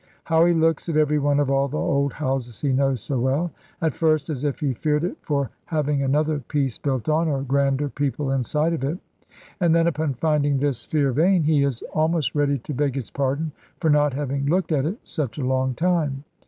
How he looks at every one of all the old houses he knows so well; at first as if he feared it for having another piece built on, or grander people inside of it. And then upon finding this fear vain, he is almost ready to beg its pardon for not having looked at it such a long time.